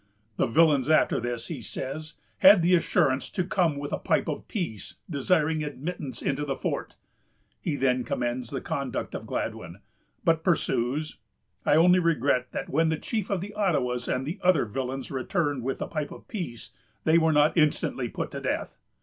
"The villains after this," he says, "had the assurance to come with a Pipe of Peace, desiring admittance into the fort." He then commends the conduct of Gladwyn, but pursues: "I only regret that when the chief of the Ottawas and the other villains returned with the Pipe of Peace, they were not instantly put to death.